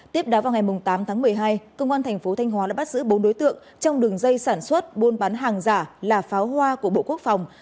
tiếp đá vào ngày tám tháng một mươi hai công an tp thanh hóa đã bắt giữ bốn đối tượng trong đường dây sản xuất bôn bán hàng giả là pháo hoa của bộ quốc phòng